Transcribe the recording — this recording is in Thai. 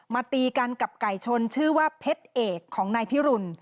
ตีกันกับไก่ชนชื่อว่าเพชรเอกของนายพิรุณ